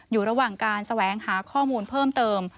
อยู่ระหว่างการแสวงหาข้อมูลเพิ่มเติม